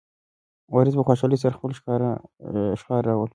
وارث په خوشحالۍ سره خپله ښکار راوړ.